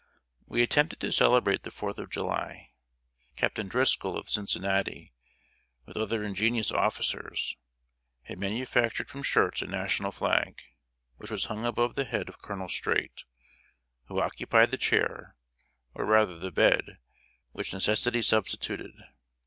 We attempted to celebrate the Fourth of July. Captain Driscoll, of Cincinnati, with other ingenious officers, had manufactured from shirts a National flag, which was hung above the head of Colonel Streight, who occupied the chair, or rather the bed, which necessity substituted.